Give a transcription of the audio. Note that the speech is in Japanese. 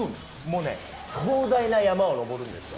壮大な山を登るんです。